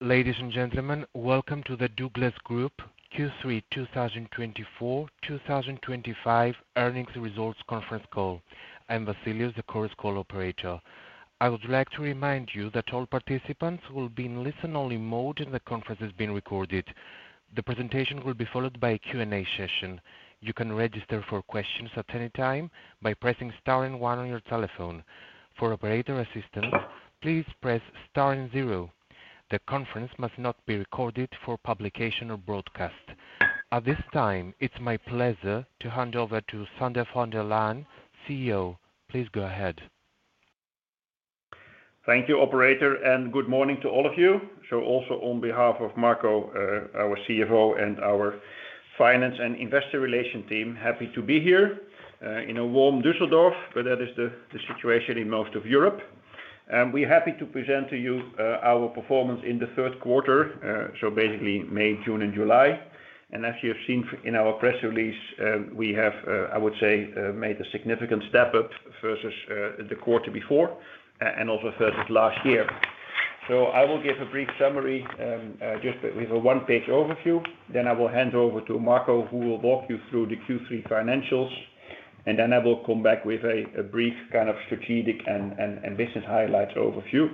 Ladies and gentlemen, welcome to the Douglas Group Q3 2024-2025 earnings results conference call. I'm Vasilios, the course call operator. I would like to remind you that all participants will be in listen-only mode and the conference is being recorded. The presentation will be followed by a Q&A session. You can register for questions at any time by pressing star and one on your telephone. For operator assistance, please press star and zero. The conference must not be recorded for publication or broadcast. At this time, it's my pleasure to hand over to Sander van der Laan, CEO. Please go ahead. Thank you, operator, and good morning to all of you. Also on behalf of Marco Giorgetta, our CFO, and our Finance and Investor Relations team, happy to be here in a warm Düsseldorf, but that is the situation in most of Europe. We're happy to present to you our performance in the third quarter, basically May, June, and July. As you have seen in our press release, we have, I would say, made a significant step up versus the quarter before and also third at last year. I will give a brief summary just with a one-page overview. I will hand over to Marco, who will walk you through the Q3 financials. I will come back with a brief kind of strategic and business highlights overview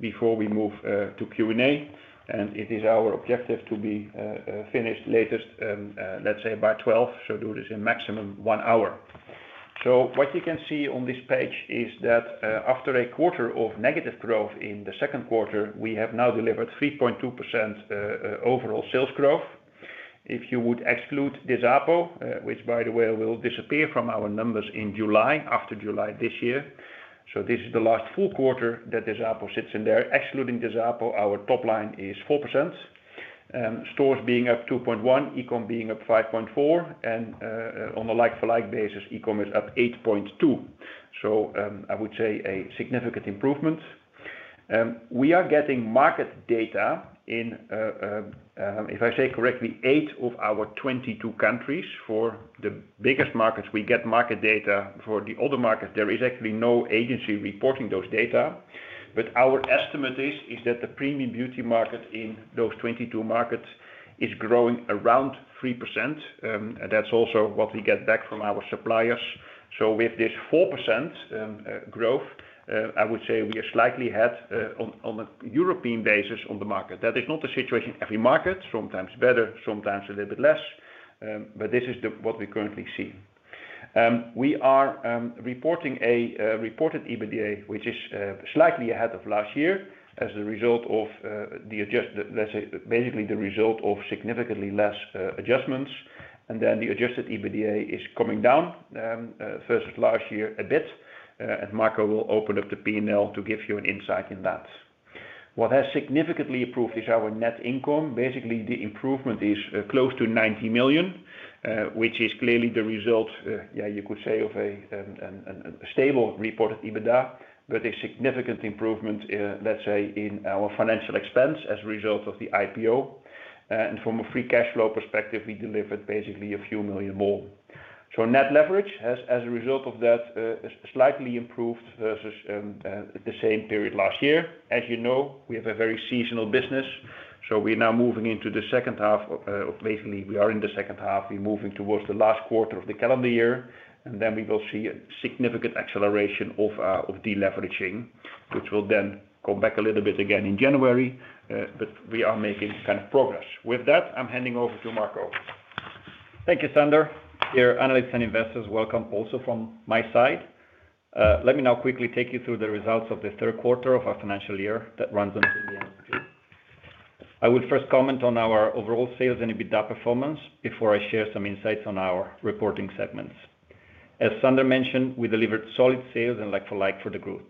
before we move to Q&A. It is our objective to be finished latest, let's say, by 12:00 P.M. Do this in maximum one hour. What you can see on this page is that after a quarter of negative growth in the second quarter, we have now delivered 3.2% overall sales growth. If you would exclude Desapo, which by the way will disappear from our numbers in July, after July this year. This is the last full quarter that Desapo sits in there. Excluding Desapo, our top line is 4%. Stores being up 2.1%, e-commerce being up 5.4%, and on a like-for-like basis, e-commerce is up 8.2%. I would say a significant improvement. We are getting market data in, if I say correctly, eight of our 22 countries for the biggest markets. We get market data for the other markets. There is actually no agency reporting those data. Our estimate is that the premium beauty market in those 22 markets is growing around 3%. That's also what we get back from our suppliers. With this 4% growth, I would say we are slightly ahead on a European basis on the market. That is not the situation in every market. Sometimes better, sometimes a little bit less. This is what we currently see. We are reporting a reported EBITDA, which is slightly ahead of last year as a result of basically the result of significantly less adjustments. The adjusted EBITDA is coming down versus last year a bit. Marco will open up the P&L to give you an insight in that. What has significantly improved is our net income. Basically, the improvement is close to $90 million, which is clearly the result, you could say, of a stable reported EBITDA, but a significant improvement, let's say, in our financial expense as a result of the IPO. From a free cash flow perspective, we delivered basically a few million more. Net leverage has, as a result of that, slightly improved versus the same period last year. As you know, we have a very seasonal business. We are now moving into the second half. Basically, we are in the second half and moving towards the last quarter of the calendar year. We will see a significant acceleration of deleveraging, which will then come back a little bit again in January. We are making kind of progress. With that, I'm handing over to Marco. Thank you, Sander. Dear analysts and investors, welcome also from my side. Let me now quickly take you through the results of the third quarter of our financial year that runs in Sundian. I will first comment on our overall sales and EBITDA performance before I share some insights on our reporting segments. As Sander mentioned, we delivered solid sales and like-for-like for the group.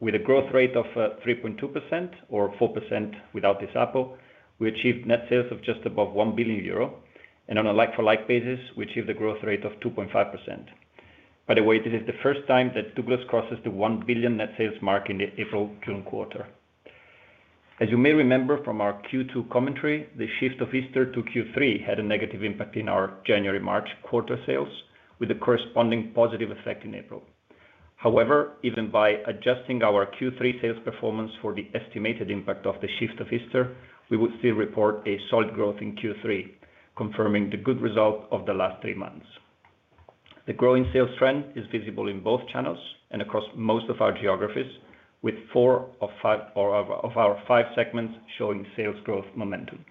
With a growth rate of 3.2% or 4% without Desapo, we achieved net sales of just above 1 billion euro. On a like-for-like basis, we achieved a growth rate of 2.5%. By the way, this is the first time that Douglas crosses the 1 billion net sales mark in the April-June quarter. As you may remember from our Q2 commentary, the shift of Easter to Q3 had a negative impact in our January-March quarter sales, with a corresponding positive effect in April. However, even by adjusting our Q3 sales performance for the estimated impact of the shift of Easter, we would still report a solid growth in Q3, confirming the good result of the last three months. The growing sales trend is visible in both channels and across most of our geographies, with four of our five segments showing sales growth momentum.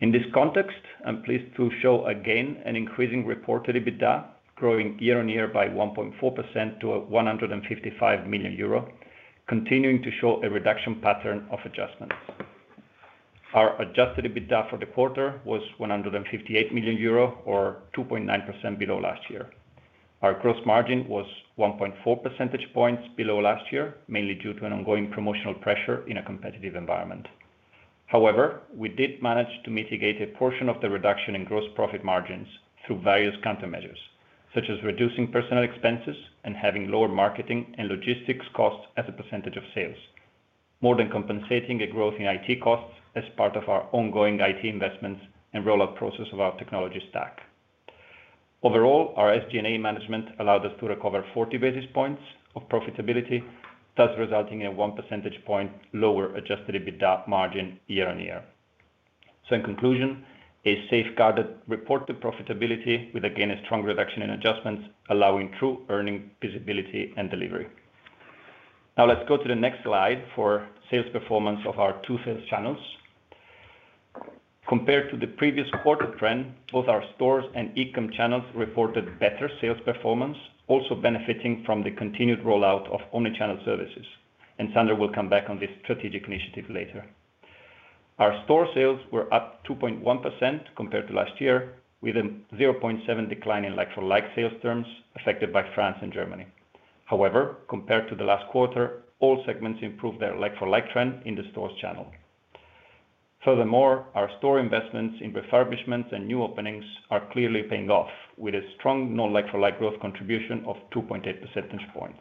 In this context, I'm pleased to show again an increasing reported EBITDA, growing year on year by 1.4% to 155 million euro, continuing to show a reduction pattern of adjustments. Our adjusted EBITDA for the quarter was 158 million euro, or 2.9% below last year. Our gross margin was 1.4% points below last year, mainly due to an ongoing promotional pressure in a competitive environment. However, we did manage to mitigate a portion of the reduction in gross profit margins through various countermeasures, such as reducing personnel expenses and having lower marketing and logistics costs as a percentage of sales, more than compensating a growth in IT costs as part of our ongoing IT investments and rollout process of our technology stack. Overall, our SG&A management allowed us to recover 40 basis points of profitability, thus resulting in a 1% point lower adjusted EBITDA margin year on year. In conclusion, a safeguarded reported profitability with again a strong reduction in adjustments, allowing true earning visibility and delivery. Now let's go to the next slide for sales performance of our two sales channels. Compared to the previous quarter trend, both our stores and e-com channels reported better sales performance, also benefiting from the continued rollout of omnichannel services. Sander will come back on this strategic initiative later. Our store sales were up 2.1% compared to last year, with a 0.7% decline in like-for-like sales terms affected by France and Germany. However, compared to the last quarter, all segments improved their like-for-like trend in the stores channel. Furthermore, our store investments in refurbishments and new openings are clearly paying off, with a strong non-like-for-like growth contribution of 2.8% points.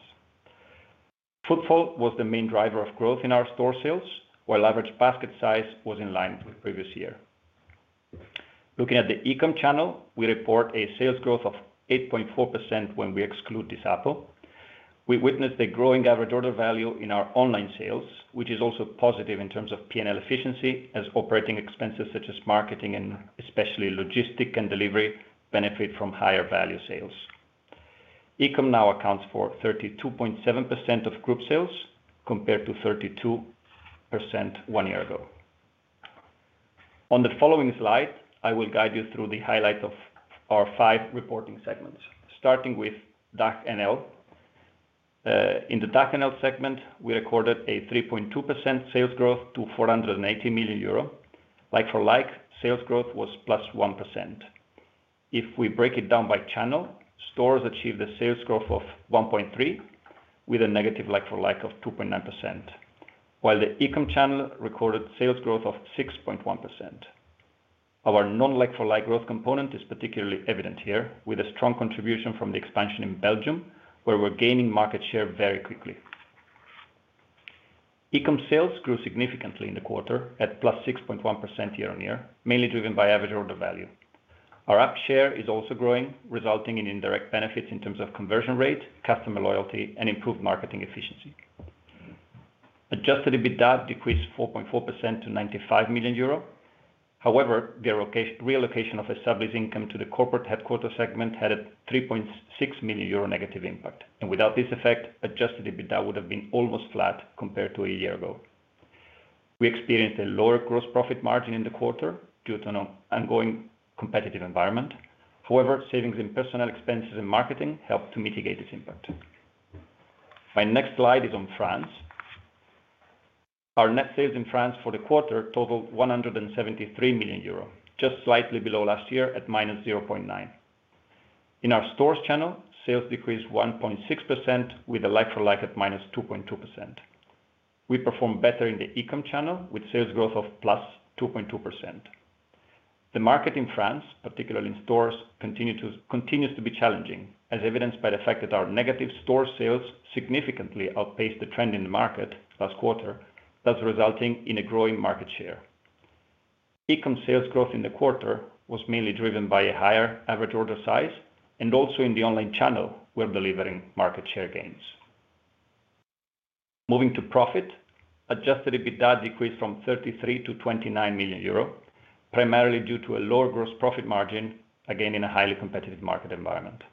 Footfall was the main driver of growth in our store sales, while average basket size was in line with the previous year. Looking at the e-com channel, we report a sales growth of 8.4% when we exclude Desapo. We witnessed a growing average order value in our online sales, which is also positive in terms of P&L efficiency, as operating expenses such as marketing and especially logistic and delivery benefit from higher value sales. E-com now accounts for 32.7% of group sales compared to 32% one year ago. On the following slide, I will guide you through the highlights of our five reporting segments, starting with DACH NL. In the DACH NL segment, we recorded a 3.2% sales growth to 480 million euro. Like-for-like, sales growth was plus 1%. If we break it down by channel, stores achieved a sales growth of 1.3%, with a negative like-for-like of 2.9%, while the e-com channel recorded sales growth of 6.1%. Our non-like-for-like growth component is particularly evident here, with a strong contribution from the expansion in Belgium, where we're gaining market share very quickly. E-com sales grew significantly in the quarter at plus 6.1% year on year, mainly driven by average order value. Our app share is also growing, resulting in indirect benefits in terms of conversion rate, customer loyalty, and improved marketing efficiency. Adjusted EBITDA decreased 4.4% to 95 million euro. However, the relocation of established income to the corporate headquarter segment had a 3.6 million euro negative impact. Without this effect, adjusted EBITDA would have been almost flat compared to a year ago. We experienced a lower gross profit margin in the quarter due to an ongoing competitive environment. However, savings in personnel expenses and marketing helped to mitigate this impact. My next slide is on France. Our net sales in France for the quarter totaled 173 million euro, just slightly below last year at minus 0.9%. In our stores channel, sales decreased 1.6%, with a like-for-like at minus 2.2%. We performed better in the e-com channel, with sales growth of +2.2%. The market in France, particularly in stores, continues to be challenging, as evidenced by the fact that our negative store sales significantly outpaced the trend in the market last quarter, thus resulting in a growing market share. E-com sales growth in the quarter was mainly driven by a higher average order size and also in the online channel, we're delivering market share gains. Moving to profit, adjusted EBITDA decreased from 33 million to 29 million euro, primarily due to a lower gross profit margin, again in a highly competitive market environment.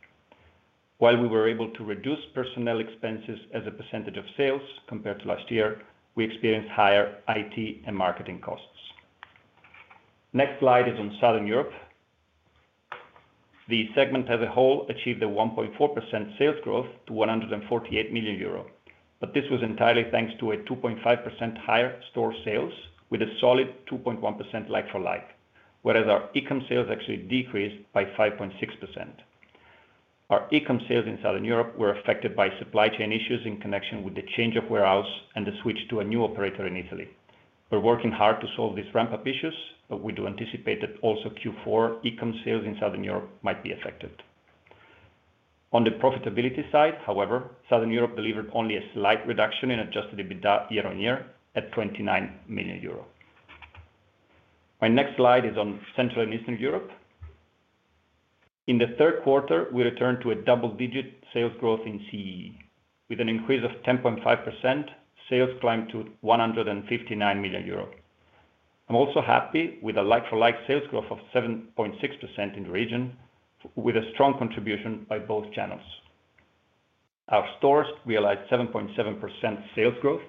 While we were able to reduce personnel expenses as a percentage of sales compared to last year, we experienced higher IT and marketing costs. Next slide is on Southern Europe. The segment as a whole achieved a 1.4% sales growth to 148 million euro, but this was entirely thanks to a 2.5% higher store sales, with a solid 2.1% like-for-like, whereas our e-com sales actually decreased by 5.6%. Our e-com sales in Southern Europe were affected by supply chain issues in connection with the change of warehouse and the switch to a new operator in Italy. We're working hard to solve these ramp-up issues, but we do anticipate that also Q4 e-com sales in Southern Europe might be affected. On the profitability side, however, Southern Europe delivered only a slight reduction in adjusted EBITDA year on year at 29 million euro. My next slide is on Central and Eastern Europe. In the third quarter, we returned to a double-digit sales growth in CEE, with an increase of 10.5%. Sales climbed to 159 million euros. I'm also happy with a like-for-like sales growth of 7.6% in the region, with a strong contribution by both channels. Our stores realized 7.7% sales growth,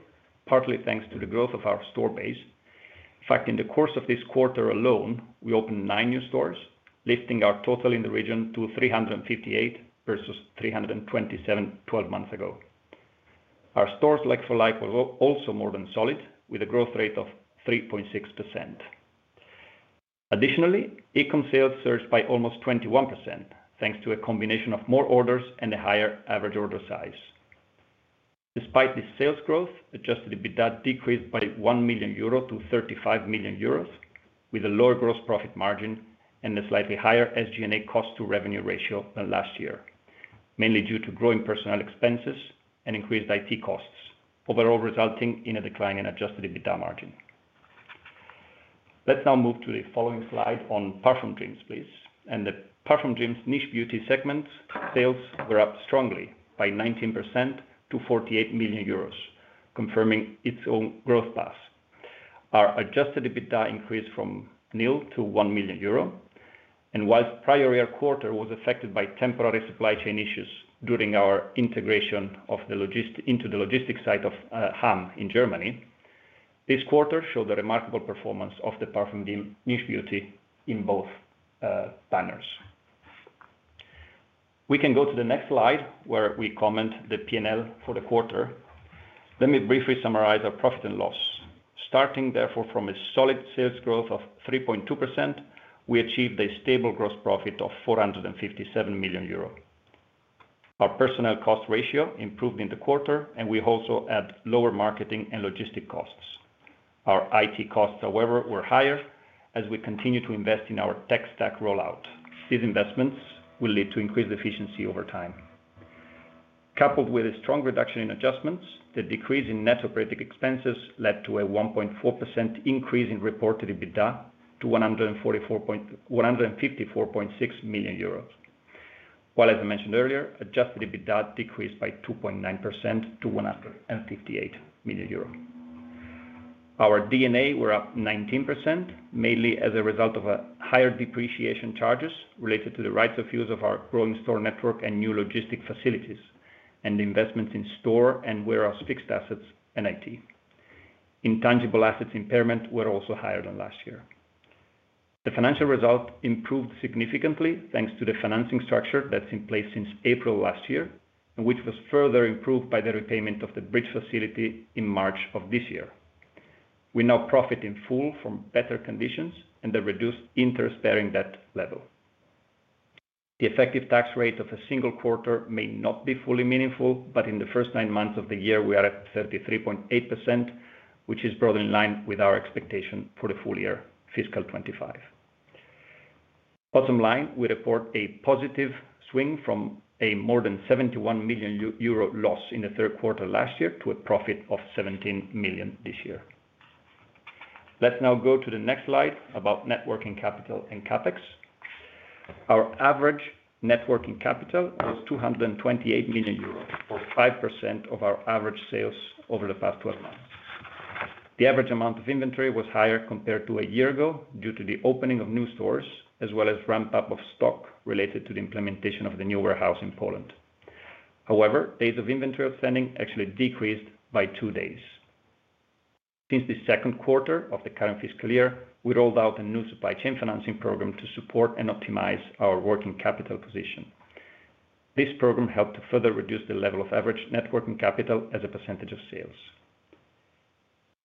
partly thanks to the growth of our store base. In fact, in the course of this quarter alone, we opened nine new stores, lifting our total in the region to 358 versus 327 twelve months ago. Our stores' like-for-like was also more than solid, with a growth rate of 3.6%. Additionally, e-com sales surged by almost 21%, thanks to a combination of more orders and a higher average order size. Despite this sales growth, adjusted EBITDA decreased by 1 million euro - 35 million euros, with a lower gross profit margin and a slightly higher SG&A cost-to-revenue ratio than last year, mainly due to growing personnel expenses and increased IT costs, overall resulting in a decline in adjusted EBITDA margin. Let's now move to the following slide on Parfum Dreams, please. The Parfum Dreams niche beauty segment sales were up strongly by 19% to 48 million euros, confirming its own growth path. Our adjusted EBITDA increased from nil to 1 million euro. While the prior year quarter was affected by temporary supply chain issues during our integration into the logistics site of Hamm in Germany, this quarter showed a remarkable performance of the Parfum Dreams niche beauty in both banners. We can go to the next slide where we comment the P&L for the quarter. Let me briefly summarize our profit and loss. Starting therefore from a solid sales growth of 3.2%, we achieved a stable gross profit of 457 million euro. Our personnel cost ratio improved in the quarter, and we also had lower marketing and logistics costs. Our IT costs, however, were higher as we continue to invest in our tech stack rollouts. These investments will lead to increased efficiency over time. Coupled with a strong reduction in adjustments, the decrease in net operating expenses led to a 1.4% increase in reported EBITDA to 154.6 million euros. While, as I mentioned earlier, adjusted EBITDA decreased by 2.9% to 158 million euro. Our D&A were up 19%, mainly as a result of higher depreciation charges related to the rights of use of our growing store network and new logistics facilities and investments in store and warehouse fixed assets and IT. Intangible assets impairment were also higher than last year. The financial result improved significantly thanks to the financing structure that's in place since April last year, which was further improved by the repayment of the bridge facility in March of this year. We now profit in full from better conditions and the reduced interest-bearing debt level. The effective tax rate of a single quarter may not be fully meaningful, but in the first nine months of the year, we are at 33.8%, which is brought in line with our expectation for the full year fiscal 2025. Bottom line, we report a positive swing from a more than 71 million euro loss in the third quarter last year to a profit of 17 million this year. Let's now go to the next slide about net working capital and capex. Our average net working capital was 228 million euros, or 5% of our average sales over the past 12 months. The average amount of inventory was higher compared to a year ago due to the opening of new stores as well as ramp-up of stock related to the implementation of the new warehouse in Poland. However, days of inventory outstanding actually decreased by two days. Since the second quarter of the current fiscal year, we rolled out a new supply chain financing program to support and optimize our working capital position. This program helped to further reduce the level of average net working capital as a percentage of sales.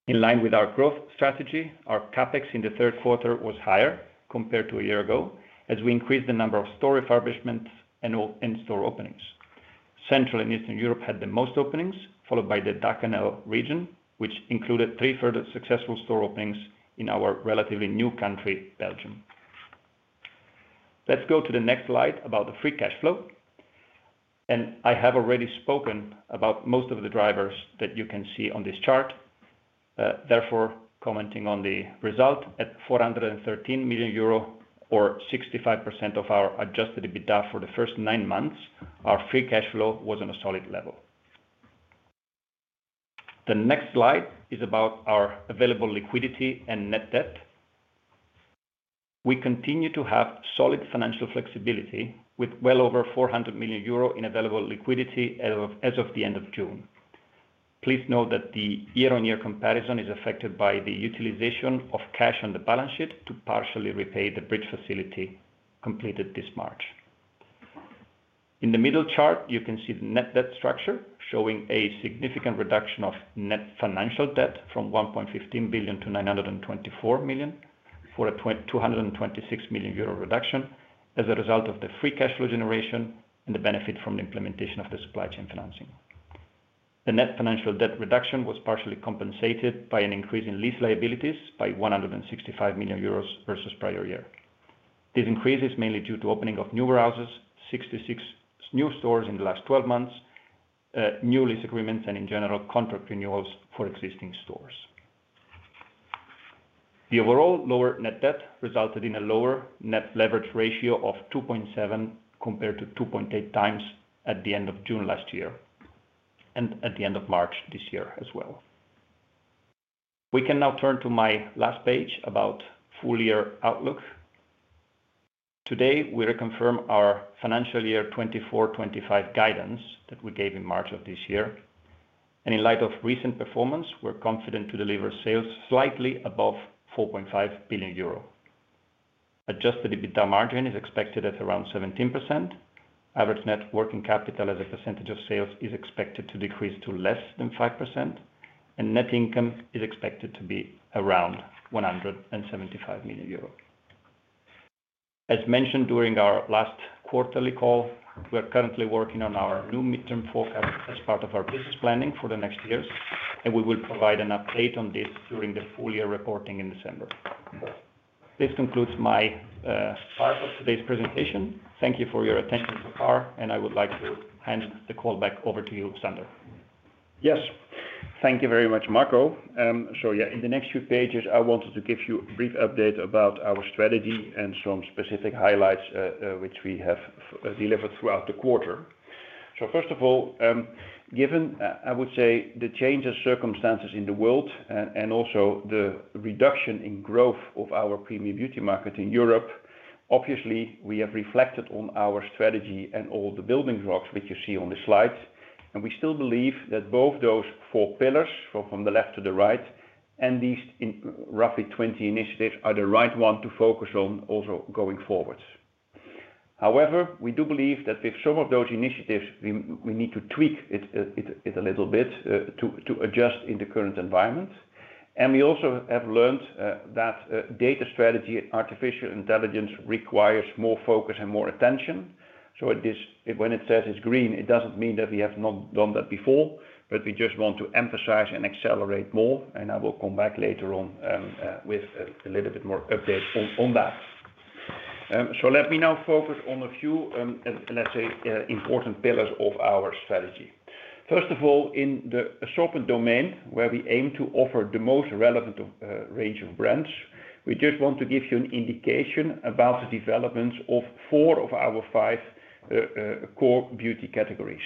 In line with our growth strategy, our CapEx in the third quarter was higher compared to a year ago as we increased the number of store refurbishments and store openings. Central and Eastern Europe had the most openings, followed by the DACH NL region, which included three further successful store openings in our relatively new country, Belgium. Let's go to the next slide about the free cash flow. I have already spoken about most of the drivers that you can see on this chart. Therefore, commenting on the result at F, or 65% of our adjusted EBITDA for the first nine months, our free cash flow was on a solid level. The next slide is about our available liquidity and net debt. We continue to have solid financial flexibility with well over 400 million euro in available liquidity as of the end of June. Please note that the year-on-year comparison is affected by the utilization of cash on the balance sheet to partially repay the bridge facility completed this March. In the middle chart, you can see the net debt structure showing a significant reduction of net financial debt from 1.15 billion to 924 million for a 226 million euro reduction as a result of the free cash flow generation and the benefit from the implementation of the supply chain financing. The net financial debt reduction was partially compensated by an increase in lease liabilities by 165 million euros versus prior year. This increase is mainly due to opening of new warehouses, 66 new stores in the last 12 months, new lease agreements, and in general, contract renewals for existing stores. The overall lower net debt resulted in a lower net leverage ratio of 2.7% compared to 2.8% at the end of June last year and at the end of March this year as well. We can now turn to my last page about full year outlook. Today, we reconfirm our financial year 2024-2025 guidance that we gave in March of this year. In light of recent performance, we're confident to deliver sales slightly above 4.5 billion euro. Adjusted EBITDA margin is expected at around 17%. Average net working capital as a percentage of sales is expected to decrease to less than 5%. Net income is expected to be around 175 million euros. As mentioned during our last quarterly call, we're currently working on our new midterm as part of our business planning for the next years, and we will provide an update on this during the full year reporting in December. This concludes my part of today's presentation. Thank you for your attention so far. I would like to hand the call back over to you, Sander. Yes. Thank you very much, Marco. In the next few pages, I wanted to give you a brief update about our strategy and some specific highlights which we have delivered throughout the quarter. First of all, given, I would say, the changing circumstances in the world and also the reduction in growth of our premium beauty market in Europe, obviously, we have reflected on our strategy and all the building blocks which you see on the slides. We still believe that both those four pillars, from the left to the right, and these roughly 20 initiatives are the right one to focus on also going forward. However, we do believe that with some of those initiatives, we need to tweak it a little bit to adjust in the current environment. We also have learned that data strategy and artificial intelligence require more focus and more attention. When it says it's green, it doesn't mean that we have not done that before, but we just want to emphasize and accelerate more. I will come back later on with a little bit more update on that. Let me now focus on a few, let's say, important pillars of our strategy. First of all, in the shopping domain where we aim to offer the most relevant range of brands, we just want to give you an indication about the developments of four of our five core beauty categories.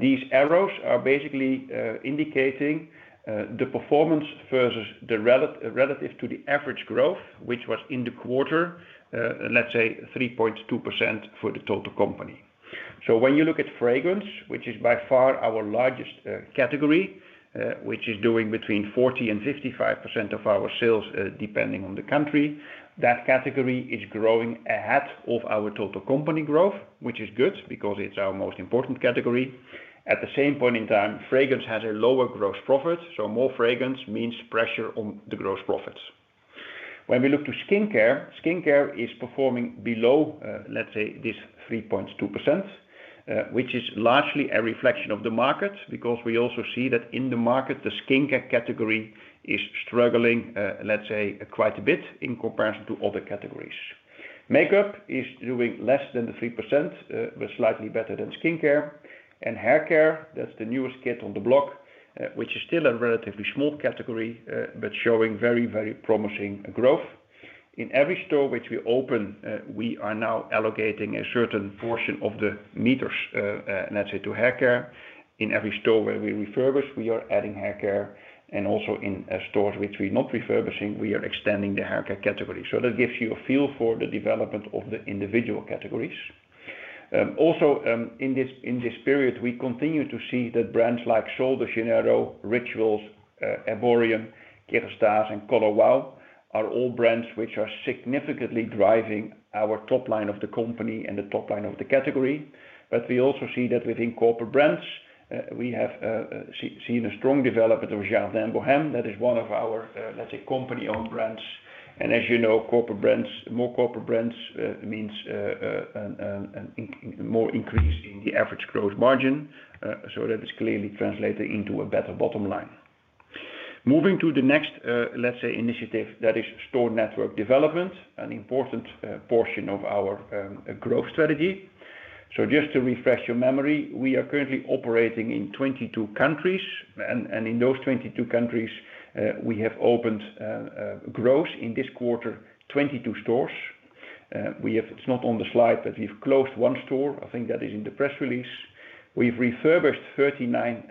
These arrows are basically indicating the performance versus the relative to the average growth, which was in the quarter, let's say, 3.2% for the total company. When you look at fragrance, which is by far our largest category, which is doing between 40% and 55% of our sales depending on the country, that category is growing ahead of our total company growth, which is good because it's our most important category. At the same point in time, fragrance has a lower gross profit, so more fragrance means pressure on the gross profits. When we look to skincare, skincare is performing below, let's say, this 3.2%, which is largely a reflection of the market because we also see that in the market, the skincare category is struggling, let's say, quite a bit in comparison to other categories. Makeup is doing less than the 3%, but slightly better than skincare. Haircare, that's the newest kit on the block, which is still a relatively small category, but showing very, very promising growth. In every store which we open, we are now allocating a certain portion of the meters, let's say, to haircare. In every store where we refurbish, we are adding haircare. Also in stores which we're not refurbishing, we are extending the haircare category. That gives you a feel for the development of the individual categories. In this period, we continue to see that brands like Sol de Janeiro, Rituals, Erborian, Kérastase, and Color Wow are all brands which are significantly driving our top line of the company and the top line of the category. We also see that within corporate brands, we have seen a strong development of Jardin Bohème. That is one of our, let's say, company-owned brands. As you know, more corporate brands means a more increase in the average gross margin. That is clearly translated into a better bottom line. Moving to the next initiative, that is store network development, an important portion of our growth strategy. Just to refresh your memory, we are currently operating in 22 countries. In those 22 countries, we have opened growth in this quarter, 22 stores. It's not on the slide, but we've closed one store. I think that is in the press release. We've refurbished 39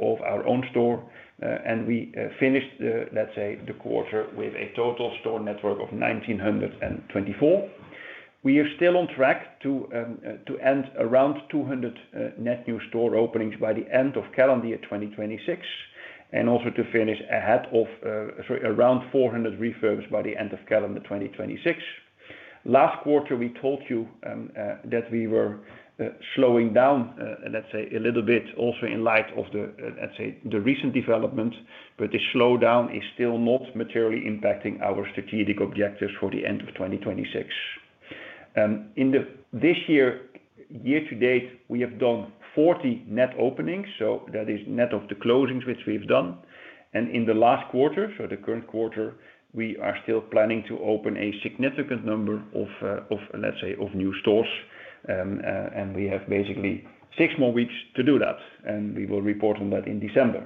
of our own stores. We finished the quarter with a total store network of 1,924. We are still on track to end around 200 net new store openings by the end of calendar year 2026 and also to finish ahead of around 400 refurbs by the end of calendar year 2026. Last quarter, we told you that we were slowing down a little bit also in light of the recent development. This slowdown is still not materially impacting our strategic objectives for the end of 2026. In this year, year to date, we have done 40 net openings. That is net of the closings which we've done. In the last quarter, so the current quarter, we are still planning to open a significant number of new stores. We have basically six more weeks to do that. We will report on that in December.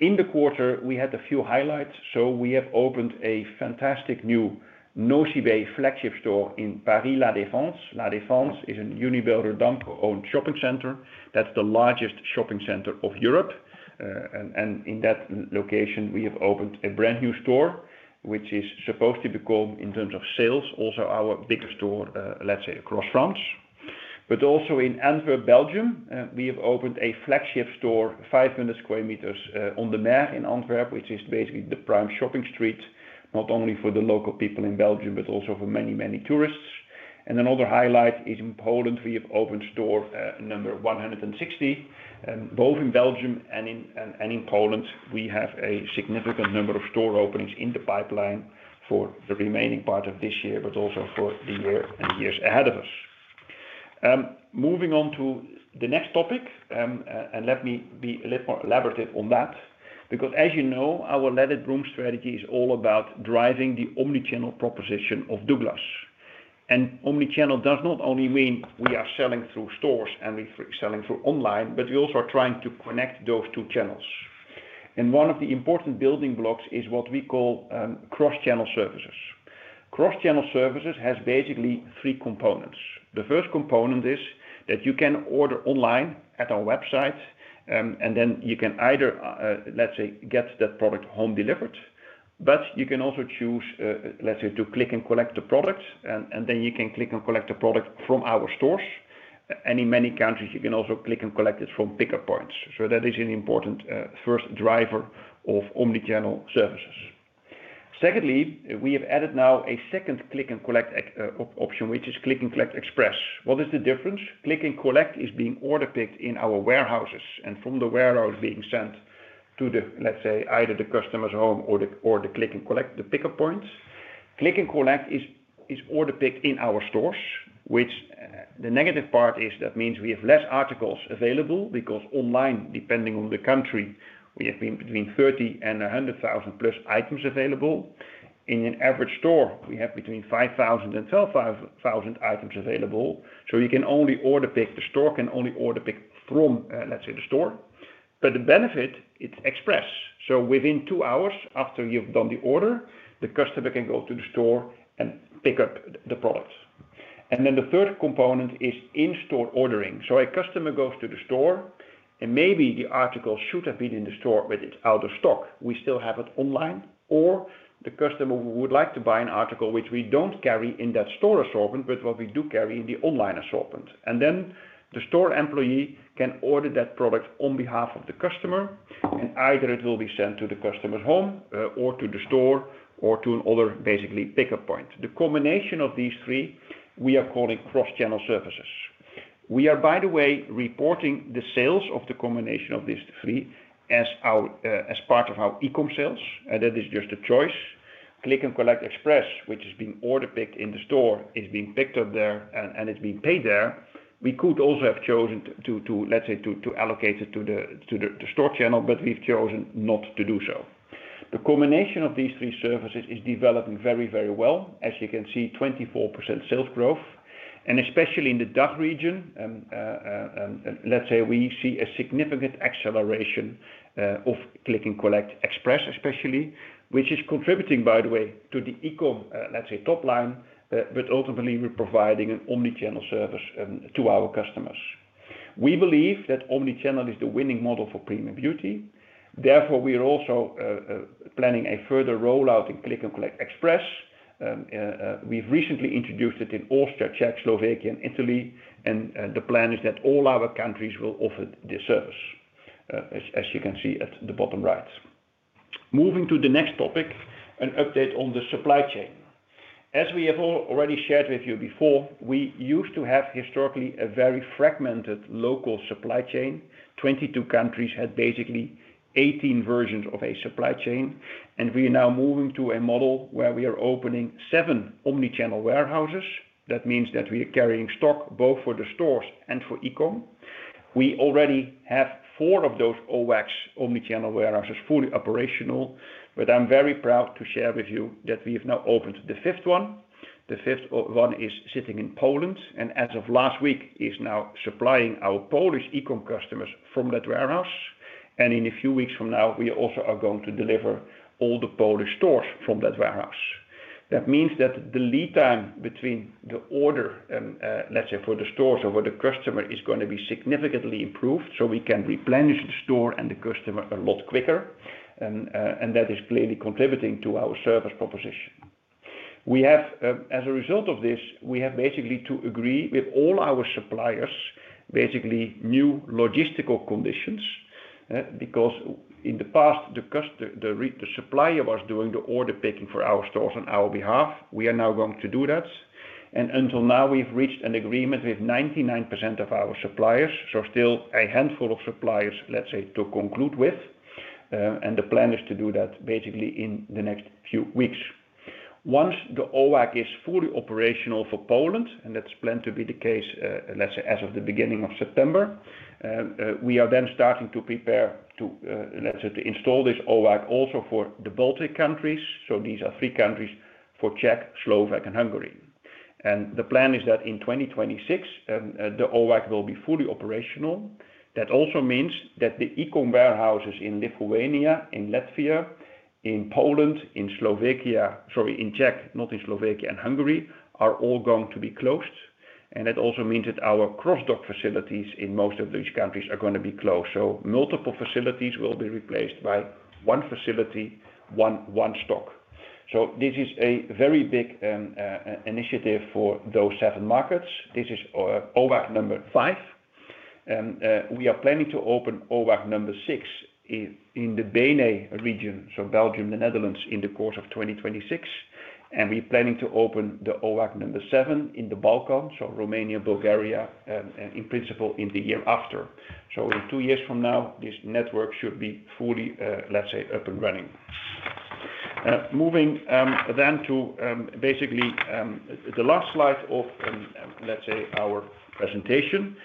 In the quarter, we had a few highlights. We have opened a fantastic new Nocibé flagship store in Paris La Défense. La Défense is a Unibail-Rodamco-owned shopping center. That's the largest shopping center of Europe. In that location, we have opened a brand new store, which is supposed to become, in terms of sales, also our biggest store across France. Also in Antwerp, Belgium, we have opened a flagship store, 500 square meters, on the Meir in Antwerp, which is basically the prime shopping street, not only for the local people in Belgium, but also for many, many tourists. Another highlight is in Poland. We have opened store number 160. Both in Belgium and in Poland, we have a significant number of store openings in the pipeline for the remaining part of this year, but also for the year and the years ahead of us. Moving on to the next topic, let me be a little more elaborative on that, because as you know, our Let It Bloom strategy is all about driving the omnichannel proposition of Douglas Group. Omnichannel does not only mean we are selling through stores and we're selling through online, but we also are trying to connect those two channels. One of the important building blocks is what we call cross-channel services. Cross-channel services have basically three components. The first component is that you can order online at our website, and then you can either get that product home delivered, or you can choose to click and collect the product, and then you can click and collect the product from our stores. In many countries, you can also click and collect it from pickup points. That is an important first driver of omnichannel services. Secondly, we have added now a second click and collect option, which is Click & Collect Express. What is the difference? Click & Collect is being order picked in our warehouses and from the warehouse being sent to either the customer's home or the Click & Collect, the pickup point. Click & Collect Express is order picked in our stores, which, the negative part is that means we have fewer articles available because online, depending on the country, we have between 30,000 and 100,000+ items available. In an average store, we have between 5,000 and 12,000 items available. You can only order pick from the store. The benefit is it's express, so within two hours after you've done the order, the customer can go to the store and pick up the product. The third component is in-store ordering. A customer goes to the store, and maybe the article should have been in the store, but it's out of stock. We still have it online, or the customer would like to buy an article which we don't carry in that store assortment, but what we do carry in the online assortment. The store employee can order that product on behalf of the customer, and either it will be sent to the customer's home or to the store or to another, basically, pickup point. The combination of these three, we are calling cross-channel services. We are, by the way, reporting the sales of the combination of these three as part of our e-com sales. That is just a choice. Click & Collect Express, which is being order picked in the store, is being picked up there, and it's being paid there. We could also have chosen to, let's say, to allocate it to the store channel, but we've chosen not to do so. The combination of these three services is developing very, very well. As you can see, 24% sales growth. Especially in the DACH region, let's say, we see a significant acceleration of Click & Collect Express, especially, which is contributing, by the way, to the e-com, let's say, top line, but ultimately we're providing an omnichannel service to our customers. We believe that omnichannel is the winning model for premium beauty. Therefore, we are also planning a further rollout in Click & Collect Express. We've recently introduced it in Austria, Czech Republic, Slovakia, and Italy. The plan is that all our countries will offer this service, as you can see at the bottom right. Moving to the next topic, an update on the supply chain. As we have already shared with you before, we used to have historically a very fragmented local supply chain. Twenty-two countries had basically 18 versions of a supply chain. We are now moving to a model where we are opening seven omnichannel warehouses. That means that we are carrying stock both for the stores and for e-com. We already have four of those OWACs, omnichannel warehouses, fully operational. I'm very proud to share with you that we have now opened the fifth one. The fifth one is sitting in Poland. As of last week, it is now supplying our Polish e-com customers from that warehouse. In a few weeks from now, we also are going to deliver all the Polish stores from that warehouse. That means that the lead time between the order, let's say, for the stores or for the customer is going to be significantly improved. We can replenish the store and the customer a lot quicker. That is clearly contributing to our service proposition. As a result of this, we have basically to agree with all our suppliers, basically new logistical conditions, because in the past, the supplier was doing the order picking for our stores on our behalf. We are now going to do that. Until now, we've reached an agreement with 99% of our suppliers, so still a handful of suppliers, let's say, to conclude with. The plan is to do that basically in the next few weeks. Once the OWAC is fully operational for Poland, and that's planned to be the case, let's say, as of the beginning of September, we are then starting to prepare to, let's say, install this OWAC also for the Baltic countries. These are three countries: Czech, Slovak, and Hungary. The plan is that in 2026, the OWAC will be fully operational. That also means that the e-com warehouses in Lithuania, in Latvia, in Poland, in Slovakia, sorry, in Czech, not in Slovakia, and Hungary are all going to be closed. That also means that our cross-dock facilities in most of those countries are going to be closed. Multiple facilities will be replaced by one facility, one stock. This is a very big initiative for those seven markets. This is OWAC number five. We are planning to open OWAC number six in the Benelux region, so Belgium, the Netherlands, in the course of 2026. We are planning to open the OWAC number seven in the Balkan region, so Romania, Bulgaria, and in principle in the year after. In two years from now, this network should be fully, let's say, up and running. Moving then to basically the last slide of, let's say, our presentation.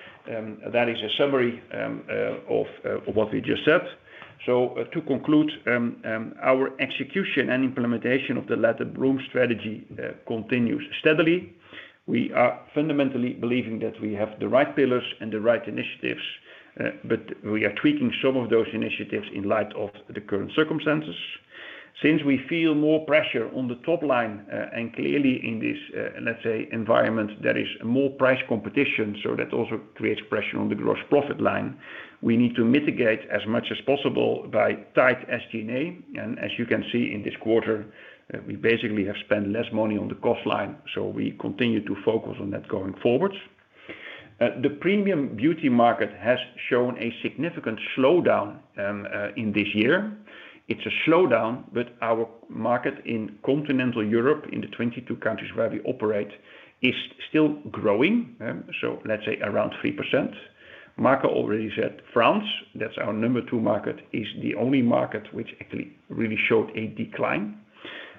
That is a summary of what we just said. To conclude, our execution and implementation of the Let It Bloom strategy continues steadily. We are fundamentally believing that we have the right pillars and the right initiatives, but we are tweaking some of those initiatives in light of the current circumstances. Since we feel more pressure on the top line and clearly in this, let's say, environment that is a more price competition, that also creates pressure on the gross profit line, we need to mitigate as much as possible by tight SG&A. As you can see in this quarter, we basically have spent less money on the cost line, so we continue to focus on that going forward. The premium beauty market has shown a significant slowdown in this year. It's a slowdown, but our market in continental Europe, in the 22 countries where we operate, is still growing, so let's say around 3%. Marco already said France, that's our number two market, is the only market which actually really showed a decline.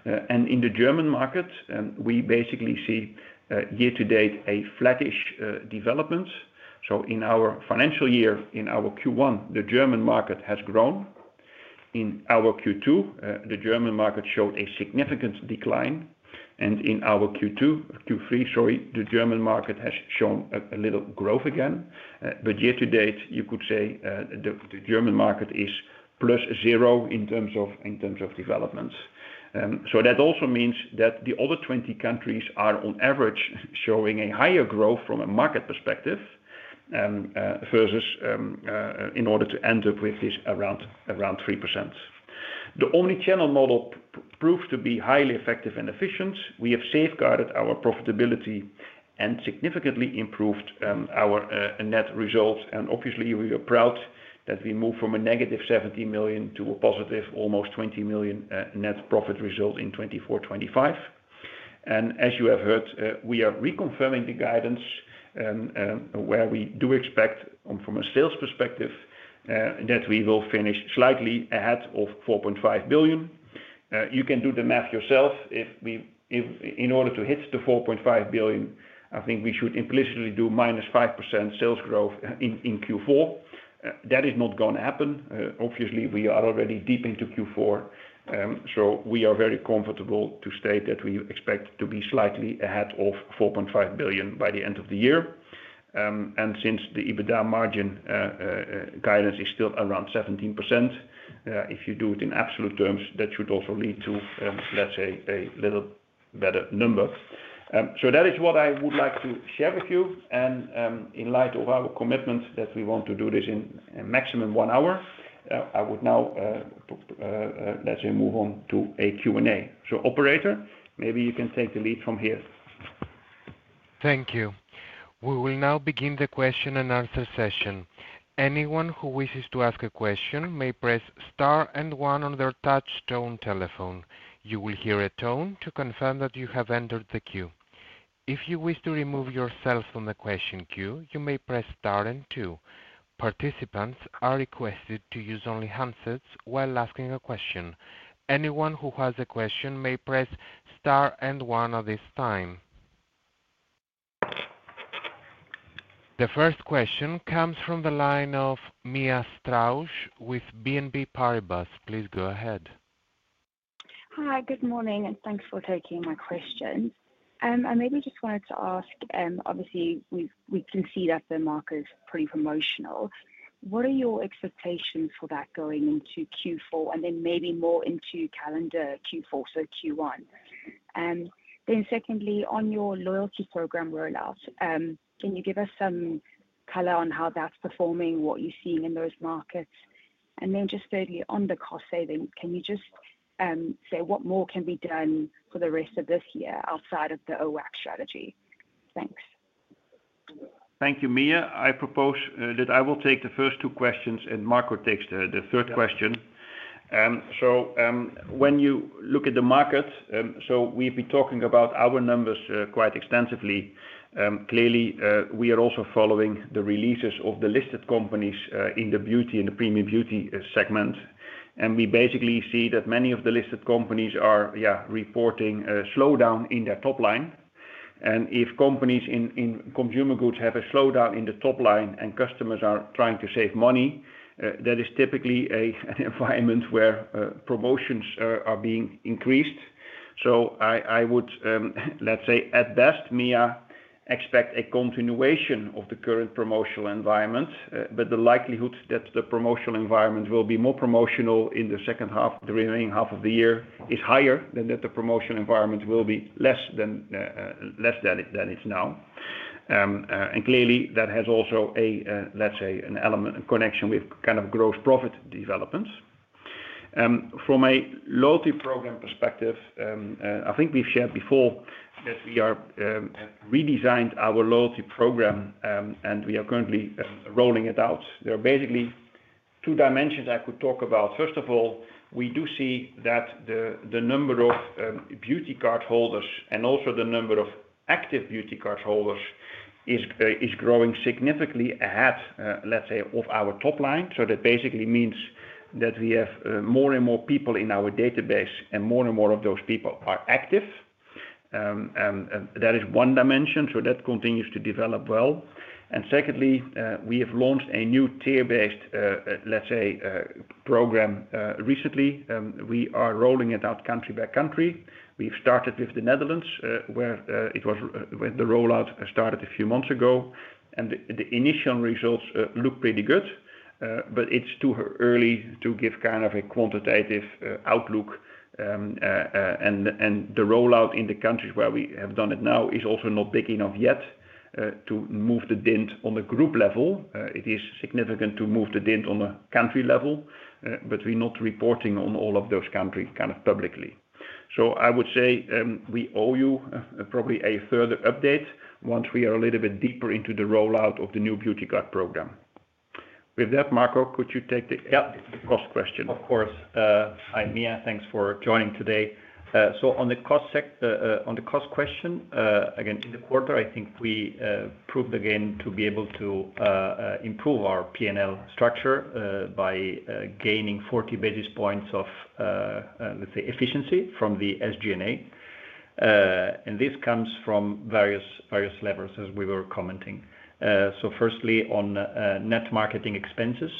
In the German market, we basically see year to date a flattish development. In our financial year, in our Q1, the German market has grown. In our Q2, the German market showed a significant decline. In our Q3, the German market has shown a little growth again. Year to date, you could say the German market is plus zero in terms of development. That also means that the other 20 countries are on average showing a higher growth from a market perspective in order to end up with this around 3%. The omnichannel model proves to be highly effective and efficient. We have safeguarded our profitability and significantly improved our net result. Obviously, we are proud that we moved from a negative 70 million to a positive almost 20 million net profit result in 2024-2025. As you have heard, we are reconfirming the guidance where we do expect from a sales perspective that we will finish slightly ahead of 4.5 billion. You can do the math yourself. In order to hit the 4.5 billion, I think we should implicitly do minus 5% sales growth in Q4. That is not going to happen. We are already deep into Q4. We are very comfortable to state that we expect to be slightly ahead of 4.5 billion by the end of the year. Since the EBITDA margin guidance is still around 17%, if you do it in absolute terms, that should also lead to, let's say, a little better number. That is what I would like to share with you. In light of our commitment that we want to do this in a maximum one hour, I would now move on to a Q&A. Operator, maybe you can take the lead from here. Thank you. We will now begin the question and answer session. Anyone who wishes to ask a question may press star and one on their touch tone telephone. You will hear a tone to confirm that you have entered the queue. If you wish to remove yourself from the question queue, you may press star and two. Participants are requested to use only handsets while asking a question. Anyone who has a question may press star and one at this time. The first question comes from the line of Mia Strauss with BNP Paribas. Please go ahead. Hi, good morning, and thanks for taking my question. I maybe just wanted to ask, obviously, we can see that the market is pretty promotional. What are your expectations for that going into Q4 and then maybe more into calendar Q4, so Q1? Secondly, on your loyalty program rollout, can you give us some color on how that's performing, what you're seeing in those markets? Just further on the cost saving, can you just say what more can be done for the rest of this year outside of the OWAC strategy? Thanks. Thank you, Mia. I propose that I will take the first two questions and Marco takes the third question. When you look at the market, we have been talking about our numbers quite extensively. Clearly, we are also following the releases of the listed companies in the beauty and the premium beauty segment. We basically see that many of the listed companies are reporting a slowdown in their top line. If companies in consumer goods have a slowdown in the top line and customers are trying to save money, that is typically an environment where promotions are being increased. I would, at best, Mia, expect a continuation of the current promotional environment. The likelihood that the promotional environment will be more promotional in the second half, the remaining half of the year, is higher than that the promotional environment will be less than it is now. Clearly, that has also an element of connection with gross profit developments. From a loyalty program perspective, I think we have shared before that we have redesigned our loyalty program and we are currently rolling it out. There are basically two dimensions I could talk about. First of all, we do see that the number of beauty card holders and also the number of active beauty card holders is growing significantly ahead of our top line. That basically means that we have more and more people in our database and more and more of those people are active. That is one dimension. That continues to develop well. Secondly, we have launched a new tier-based program recently. We are rolling it out country by country. We started with the Netherlands where the rollout started a few months ago. The initial results look pretty good, but it is too early to give a quantitative outlook. The rollout in the countries where we have done it now is also not big enough yet to move the dent on the group level. It is significant to move the dent on the country level, but we are not reporting on all of those countries publicly. I would say we owe you probably a further update once we are a little bit deeper into the rollout of the new beauty card program. With that, Marco, could you take the cost question? Of course. Hi, Mia. Thanks for joining today. On the cost question, again, in the quarter, I think we proved again to be able to improve our P&L structure by gaining 40 basis points of, let's say, efficiency from the SG&A. This comes from various levels, as we were commenting. Firstly, on net marketing expenses,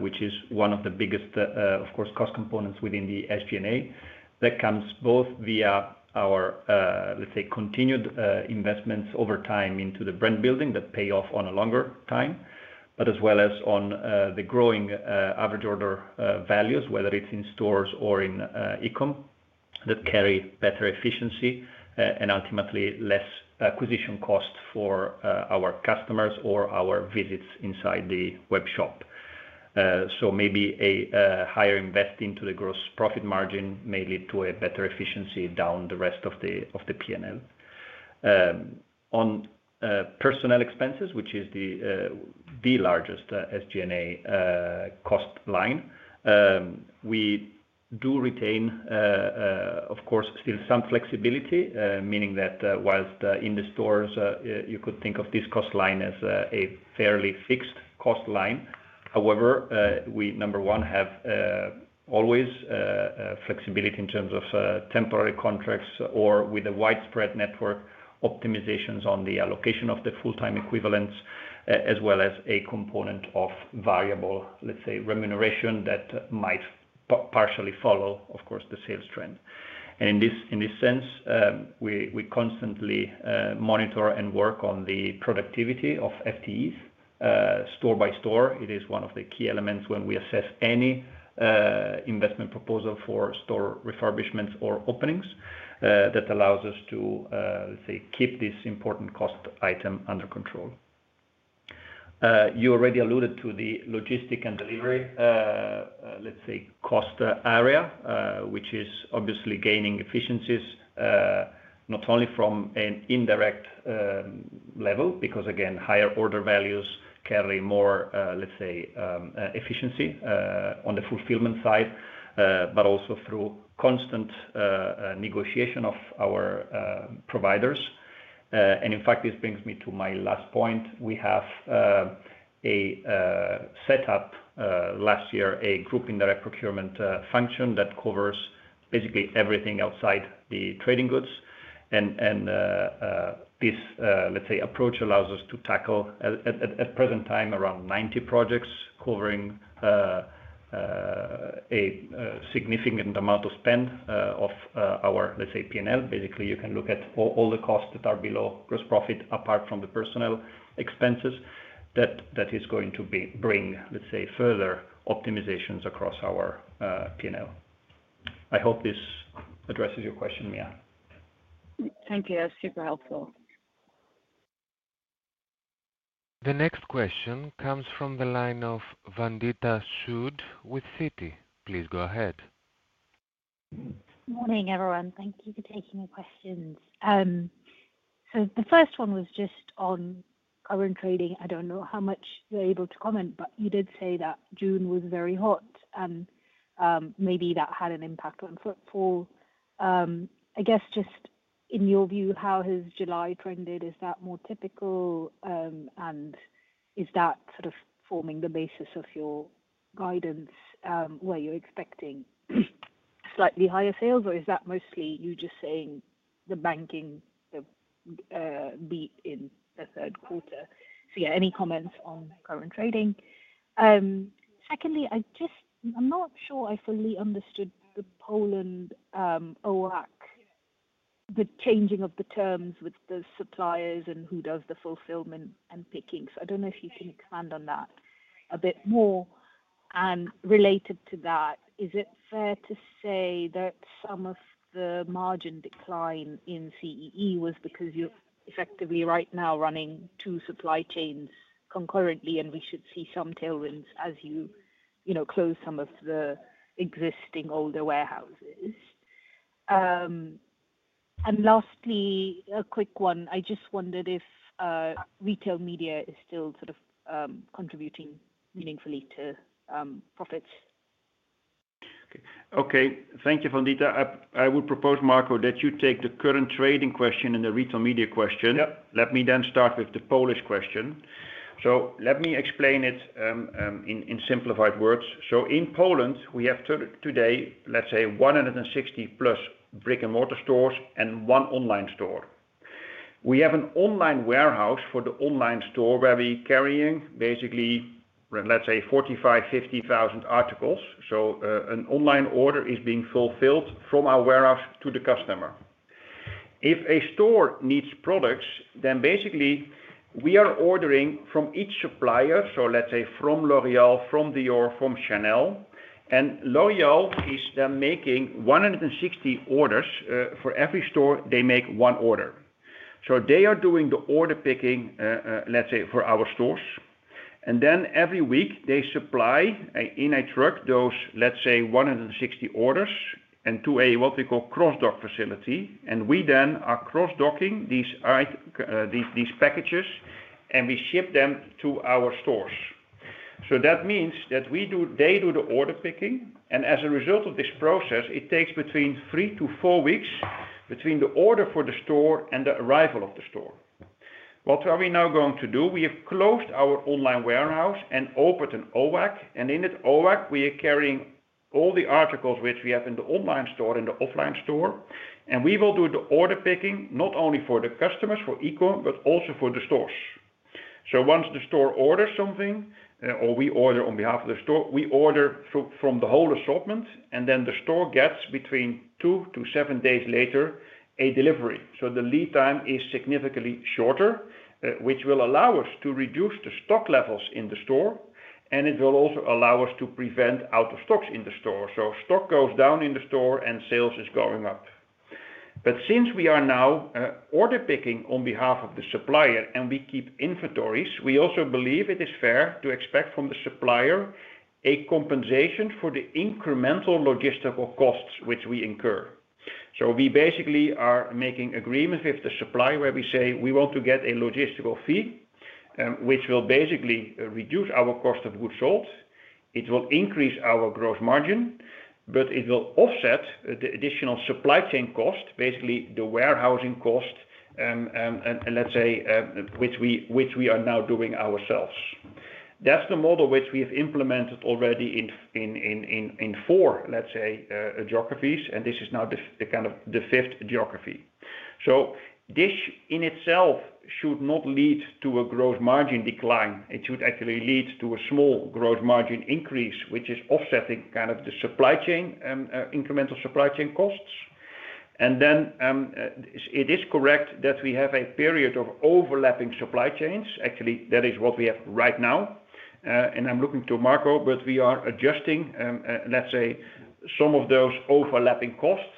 which is one of the biggest, of course, cost components within the SG&A. That comes both via our, let's say, continued investments over time into the brand building that pay off on a longer time, as well as on the growing average order values, whether it's in stores or in e-commerce, that carry better efficiency and ultimately less acquisition cost for our customers or our visits inside the webshop. Maybe a higher investment into the gross profit margin may lead to a better efficiency down the rest of the P&L. On personnel expenses, which is the largest SG&A cost line, we do retain, of course, still some flexibility, meaning that whilst in the stores, you could think of this cost line as a fairly fixed cost line. However, we, number one, have always flexibility in terms of temporary contracts or with a widespread network optimizations on the allocation of the full-time equivalents, as well as a component of variable, let's say, remuneration that might partially follow, of course, the sales trend. In this sense, we constantly monitor and work on the productivity of FTEs, store by store. It is one of the key elements when we assess any investment proposal for store refurbishments or openings that allows us to, let's say, keep this important cost item under control. You already alluded to the logistic and delivery, let's say, cost area, which is obviously gaining efficiencies, not only from an indirect level, because again, higher order values carry more, let's say, efficiency on the fulfillment side, but also through constant negotiation of our providers. In fact, this brings me to my last point. We have set up last year a group indirect procurement function that covers basically everything outside the trading goods. This, let's say, approach allows us to tackle, at the present time, around 90 projects covering a significant amount of spend of our, let's say, P&L. Basically, you can look at all the costs that are below gross profit, apart from the personnel expenses, that is going to bring, let's say, further optimizations across our P&L. I hope this addresses your question, Mia. Thank you. That was super helpful. The next question comes from the line of Vandita Shud with Citi. Please go ahead. Morning, everyone. Thank you for taking your questions. The first one was just on current trading. I don't know how much you're able to comment, but you did say that June was very hot and maybe that had an impact on footfall. I guess just in your view, how has July trended? Is that more typical and is that sort of forming the basis of your guidance where you're expecting slightly higher sales or is that mostly you just saying the banking beat in the third quarter? Any comments on current trading? Secondly, I'm not sure I fully understood the Poland OWAC, the changing of the terms with the suppliers and who does the fulfillment and picking. I don't know if you can expand on that a bit more. Related to that, is it fair to say that some of the margin decline in Central and Eastern Europe was because you're effectively right now running two supply chains concurrently and we should see some tailwinds as you close some of the existing older warehouses? Lastly, a quick one. I just wondered if retail media is still sort of contributing meaningfully to profits. Okay. Thank you, Vandita. I would propose, Marco, that you take the current trading question and the retail media question. Let me then start with the Polish question. Let me explain it in simplified words. In Poland, we have today, let's say, 160 plus brick-and-mortar stores and one online store. We have an online warehouse for the online store where we're carrying, basically, let's say, 45,000 to 50,000 articles. An online order is being fulfilled from our warehouse to the customer. If a store needs products, then basically we are ordering from each supplier, so let's say from L'Oréal, from Dior, from Chanel. L'Oréal is then making 160 orders. For every store, they make one order. They are doing the order picking, let's say, for our stores. Every week, they supply in a truck those, let's say, 160 orders to what we call a cross-dock facility. We then are cross-docking these packages and we ship them to our stores. That means that they do the order picking. As a result of this process, it takes between three to four weeks between the order for the store and the arrival at the store. What are we now going to do? We have closed our online warehouse and opened an OWAC. In that OWAC, we are carrying all the articles which we have in the online store and the offline store. We will do the order picking not only for the customers for e-com, but also for the stores. Once the store orders something or we order on behalf of the store, we order from the whole assortment. The store gets between two to seven days later a delivery. The lead time is significantly shorter, which will allow us to reduce the stock levels in the store. It will also allow us to prevent out of stocks in the store. Stock goes down in the store and sales are going up. Since we are now order picking on behalf of the supplier and we keep inventories, we also believe it is fair to expect from the supplier a compensation for the incremental logistical costs which we incur. We basically are making agreements with the supplier where we say we want to get a logistical fee, which will basically reduce our cost of goods sold. It will increase our gross margin, but it will offset the additional supply chain cost, basically the warehousing cost, which we are now doing ourselves. That's the model which we have implemented already in four geographies. This is now the kind of the fifth geography. This in itself should not lead to a gross margin decline. It should actually lead to a small gross margin increase, which is offsetting kind of the supply chain, incremental supply chain costs. It is correct that we have a period of overlapping supply chains. Actually, that is what we have right now. I'm looking to Marco, but we are adjusting, let's say, some of those overlapping costs.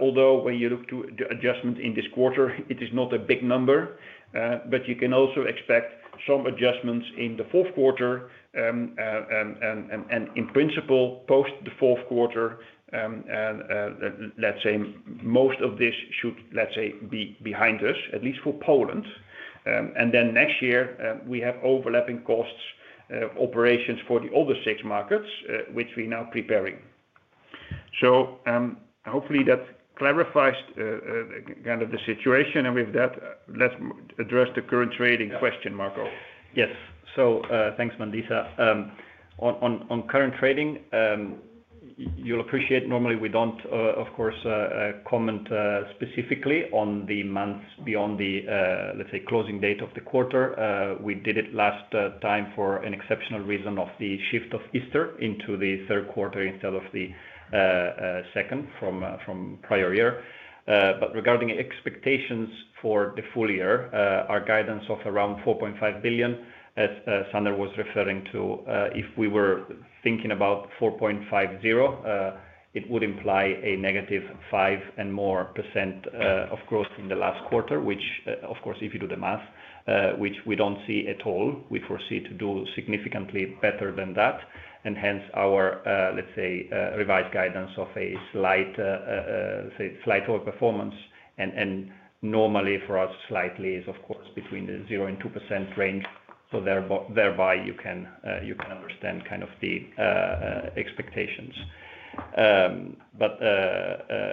Although when you look to the adjustment in this quarter, it is not a big number. You can also expect some adjustments in the fourth quarter. In principle, post the fourth quarter, most of this should be behind us, at least for Poland. Next year, we have overlapping costs of operations for the other six markets, which we are now preparing. Hopefully, that clarifies kind of the situation. With that, let's address the current trading question, Marco. Yes. Thanks, Vandita. On current trading, you'll appreciate normally we don't, of course, comment specifically on the months beyond the, let's say, closing date of the quarter. We did it last time for an exceptional reason of the shift of Easter into the third quarter instead of the second from prior year. Regarding expectations for the full year, our guidance of around 4.5 billion, as Sander was referring to, if we were thinking about 4.50 billion, it would imply a negative 5% and more growth in the last quarter, which, of course, if you do the math, which we don't see at all, we foresee to do significantly better than that. Hence our, let's say, revised guidance of a slight overperformance. Normally for us, slightly is, of course, between the 0% and 2% range. Thereby, you can understand kind of the expectations.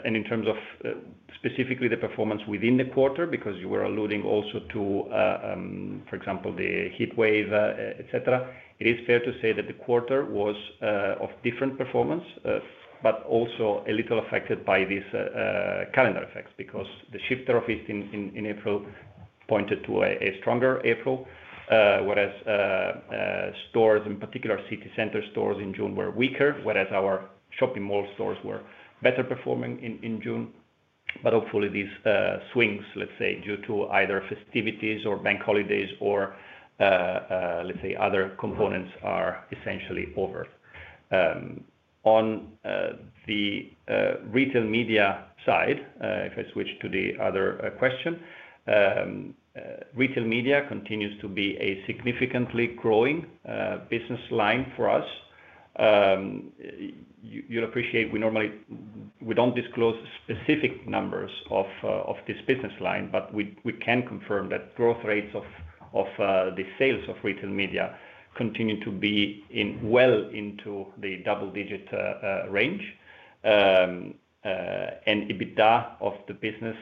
In terms of specifically the performance within the quarter, because you were alluding also to, for example, the heat wave, it is fair to say that the quarter was of different performance, but also a little affected by these calendar effects because the shift of Easter in April pointed to a stronger April, whereas stores in particular, city center stores in June were weaker, whereas our shopping mall stores were better performing in June. Hopefully, these swings, let's say, due to either festivities or bank holidays or, let's say, other components are essentially over. On the retail media side, if I switch to the other question, retail media continues to be a significantly growing business line for us. You'll appreciate we normally, we don't disclose specific numbers of this business line, but we can confirm that growth rates of the sales of retail media continue to be well into the double-digit range. EBITDA of the business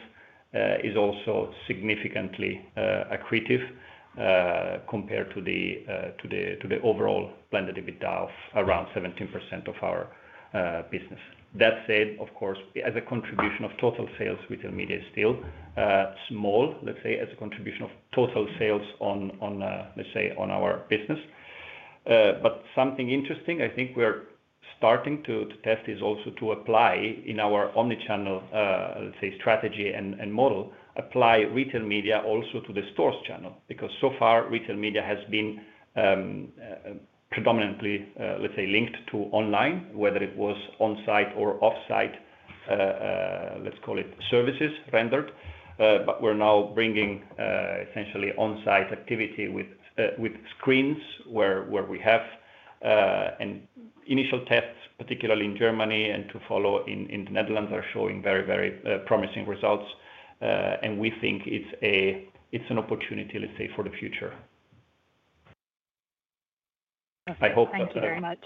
is also significantly accretive compared to the overall planned EBITDA of around 17% of our business. That said, of course, as a contribution of total sales, retail media is still small, let's say, as a contribution of total sales on, let's say, on our business. Something interesting I think we're starting to test is also to apply in our omnichannel, let's say, strategy and model, apply retail media also to the stores channel. Because so far, retail media has been predominantly, let's say, linked to online, whether it was on-site or off-site, let's call it services rendered. We're now bringing essentially on-site activity with screens where we have initial tests, particularly in Germany, and to follow in the Netherlands, are showing very, very promising results. We think it's an opportunity, let's say, for the future. Thank you very much.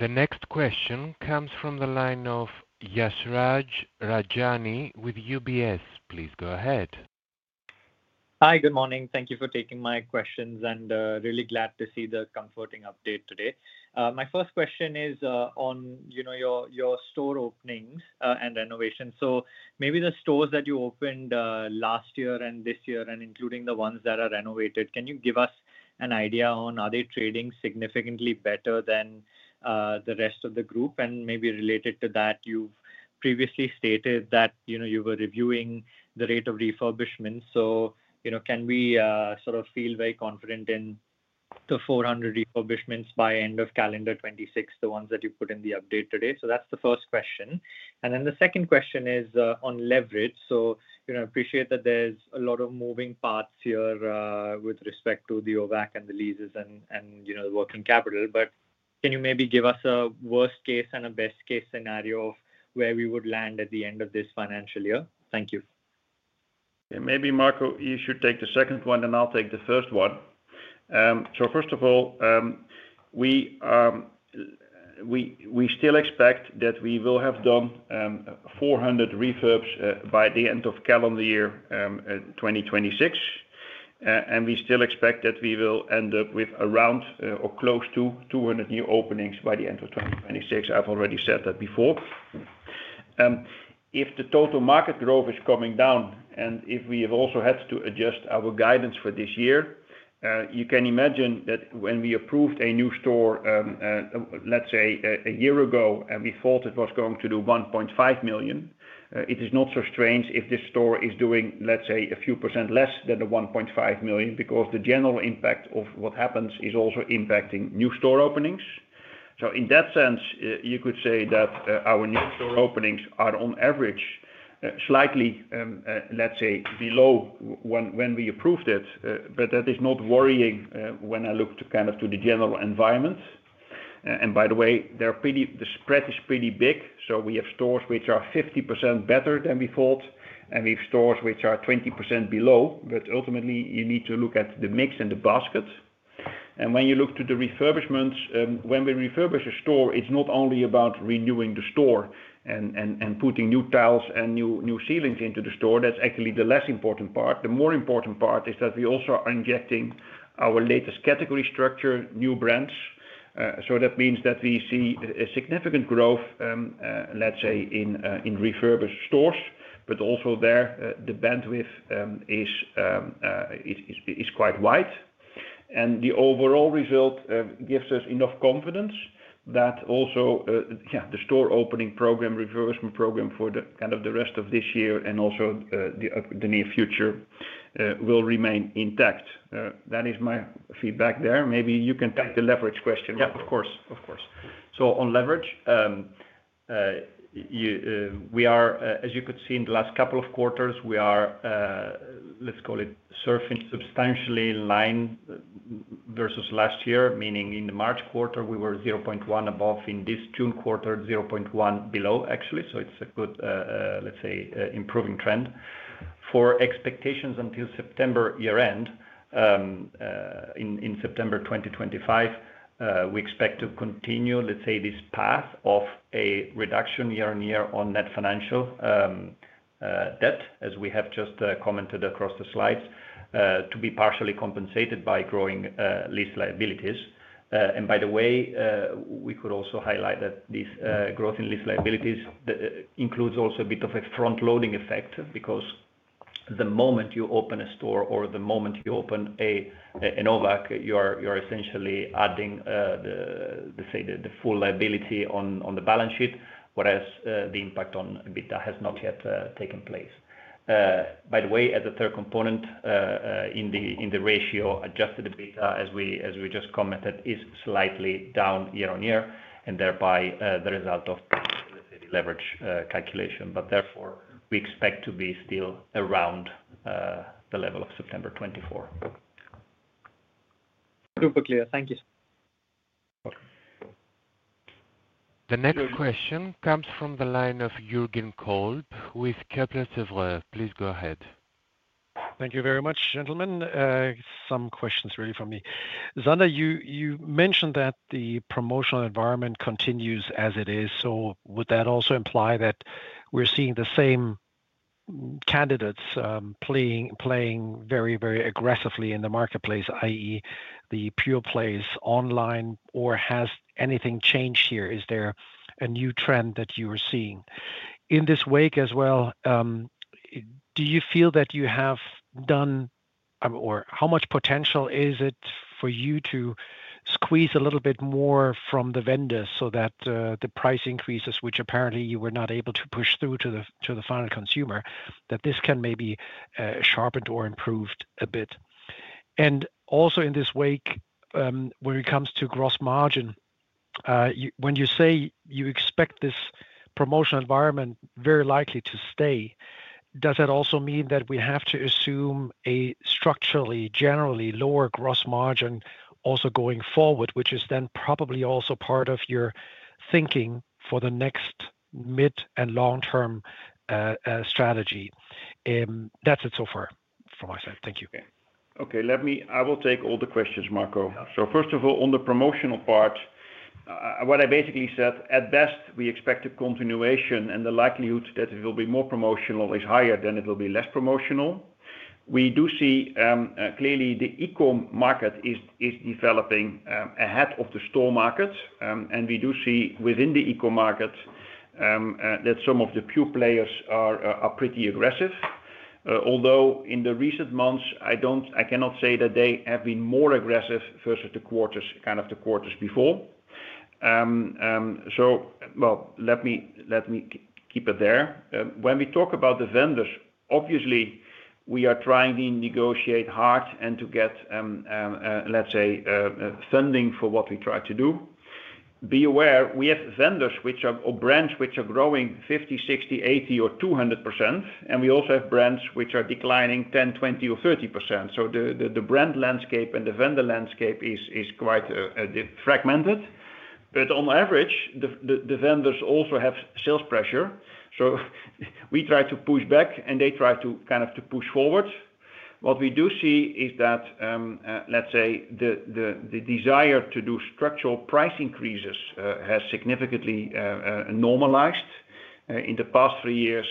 The next question comes from the line of Yashraj Rajani with UBS. Please go ahead. Hi, good morning. Thank you for taking my questions and really glad to see the comforting update today. My first question is on your store openings and renovations. The stores that you opened last year and this year, including the ones that are renovated, can you give us an idea on are they trading significantly better than the rest of the group? Related to that, you've previously stated that you were reviewing the rate of refurbishments. Can we sort of feel very confident in the 400 refurbishments by end of calendar 2026, the ones that you put in the update today? That's the first question. The second question is on leverage. I appreciate that there's a lot of moving parts here with respect to the OWAC and the leases and the working capital. Can you maybe give us a worst case and a best case scenario of where we would land at the end of this financial year? Thank you. Yeah, maybe Marco, you should take the second one and I'll take the first one. First of all, we still expect that we will have done 400 refurbs by the end of calendar year 2026. We still expect that we will end up with around or close to 200 new openings by the end of 2026. I've already said that before. If the total market growth is coming down and if we have also had to adjust our guidance for this year, you can imagine that when we approved a new store, let's say, a year ago and we thought it was going to do $1.5 million, it is not so strange if this store is doing, let's say, a few % less than the $1.5 million because the general impact of what happens is also impacting new store openings. In that sense, you could say that our new openings are on average slightly, let's say, below when we approved it. That is not worrying when I look to kind of the general environment. By the way, the spread is pretty big. We have stores which are 50% better than we thought and we have stores which are 20% below. Ultimately, you need to look at the mix in the basket. When you look to the refurbishments, when we refurbish a store, it's not only about renewing the store and putting new tiles and new ceilings into the store. That's actually the less important part. The more important part is that we also are injecting our latest category structure, new brands. That means that we see a significant growth, let's say, in refurbished stores. Also there, the bandwidth is quite wide. The overall result gives us enough confidence that also, yeah, the store opening program, refurbishment program for the rest of this year and also the near future will remain intact. That is my feedback there. Maybe you can take the leverage question. Yeah. Of course, of course. On leverage, we are, as you could see in the last couple of quarters, let's call it, surfing substantially in line versus last year, meaning in the March quarter, we were 0.1 above. In this June quarter, 0.1 below, actually. It's a good, let's say, improving trend. For expectations until September year-end, in September 2025, we expect to continue, let's say, this path of a reduction year-on-year on net financial debt, as we have just commented across the slides, to be partially compensated by growing lease liabilities. By the way, we could also highlight that this growth in lease liabilities includes also a bit of a front-loading effect because the moment you open a store or the moment you open an OWAC, you are essentially adding, let's say, the full liability on the balance sheet, whereas the impact on EBITDA has not yet taken place. By the way, as a third component, in the ratio, adjusted EBITDA, as we just commented, is slightly down year-on-year and thereby the result of the leverage calculation. Therefore, we expect to be still around the level of September 2024. Super clear. Thank you. The next question comes from the line of Jürgen Kolb with Kepler Cheuvreux. Please go ahead. Thank you very much, gentlemen. Some questions really from me. Sander, you mentioned that the promotional environment continues as it is. Would that also imply that we're seeing the same candidates playing very, very aggressively in the marketplace, i.e., the pure-play e-commerce competitors online? Has anything changed here? Is there a new trend that you are seeing? In this wake as well, do you feel that you have done, or how much potential is it for you to squeeze a little bit more from the vendors so that the price increases, which apparently you were not able to push through to the final consumer, can maybe be sharpened or improved a bit? Also in this wake, when it comes to gross margin, when you say you expect this promotional environment very likely to stay, does that also mean that we have to assume a structurally, generally lower gross margin also going forward, which is then probably also part of your thinking for the next mid and long-term strategy? That's it so far from myself. Thank you. Okay. Let me, I will take all the questions, Marco. First of all, on the promotional part, what I basically said, at best, we expect a continuation and the likelihood that it will be more promotional is higher than it will be less promotional. We do see clearly the e-com market is developing ahead of the store market. We do see within the e-com market that some of the pure-play e-commerce competitors are pretty aggressive. Although in the recent months, I cannot say that they have been more aggressive versus the quarters before. Let me keep it there. When we talk about the vendors, obviously, we are trying to negotiate hard and to get, let's say, funding for what we try to do. Be aware, we have vendors or brands which are growing 50%, 60%, 80%, or 200%. We also have brands which are declining 10%, 20%, or 30%. The brand landscape and the vendor landscape is quite fragmented. On average, the vendors also have sales pressure. We try to push back and they try to push forward. What we do see is that the desire to do structural price increases has significantly normalized. In the past three years,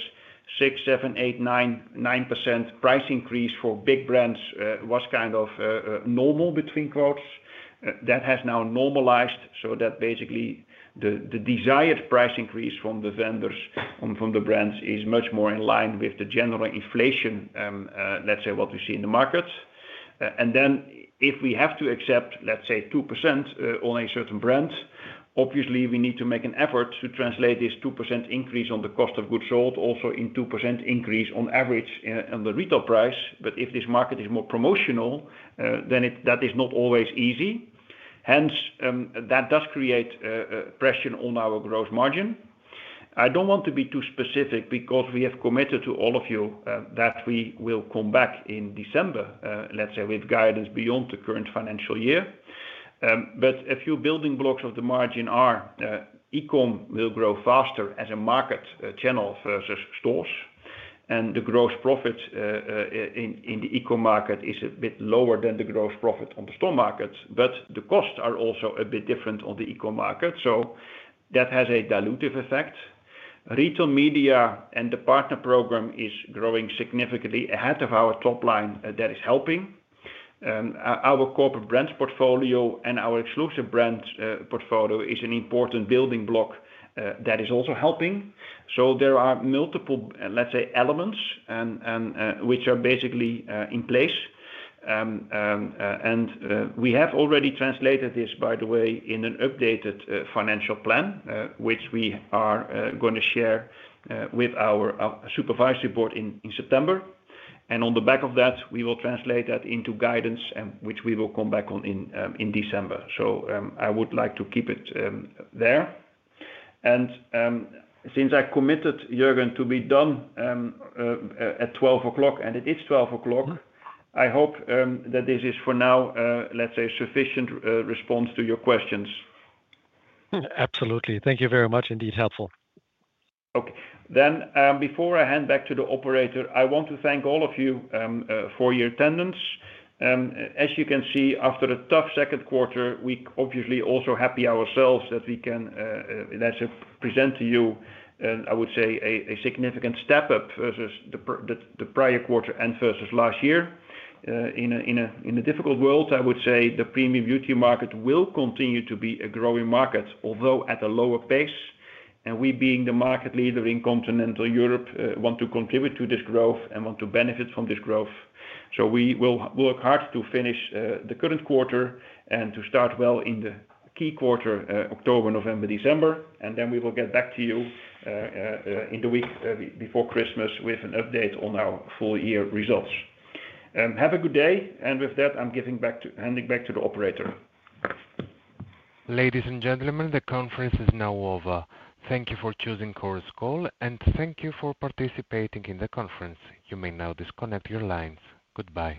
6%, 7%, 8%, 9% price increase for big brands was kind of normal between quotes. That has now normalized so that basically the desired price increase from the vendors and from the brands is much more in line with the general inflation, let's say, what we see in the markets. If we have to accept, let's say, 2% on a certain brand, obviously, we need to make an effort to translate this 2% increase on the cost of goods sold also in 2% increase on average on the retail price. If this market is more promotional, that is not always easy. Hence, that does create pressure on our gross margin. I don't want to be too specific because we have committed to all of you that we will come back in December with guidance beyond the current financial year. A few building blocks of the margin are e-com will grow faster as a market channel versus stores. The gross profit in the e-com market is a bit lower than the gross profit on the store markets. The costs are also a bit different on the e-com market. That has a dilutive effect. Retail media and the partner program is growing significantly ahead of our top line, that is helping. Our corporate brands portfolio and our exclusive brands portfolio is an important building block that is also helping. There are multiple, let's say, elements which are basically in place. We have already translated this, by the way, in an updated financial plan, which we are going to share with our Supervisory Board in September. On the back of that, we will translate that into guidance, which we will come back on in December. I would like to keep it there. Since I committed, Jürgen, to be done at 12:00 P.M., and it is 12:00 P.M., I hope that this is for now, let's say, a sufficient response to your questions. Absolutely. Thank you very much. Indeed, helpful. Okay. Before I hand back to the operator, I want to thank all of you for your attendance. As you can see, after a tough second quarter, we obviously are also happy ourselves that we can, let's say, present to you, I would say, a significant step up versus the prior quarter and versus last year. In a difficult world, I would say the premium beauty market will continue to be a growing market, although at a lower pace. We, being the market leader in continental Europe, want to contribute to this growth and want to benefit from this growth. We will work hard to finish the current quarter and to start well in the key quarter, October, November, December. We will get back to you in the week before Christmas with an update on our full year results. Have a good day. With that, I'm handing back to the operator. Ladies and gentlemen, the conference is now over. Thank you for choosing Chorus Call, and thank you for participating in the conference. You may now disconnect your lines. Goodbye.